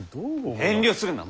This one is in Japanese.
遠慮するな申せ。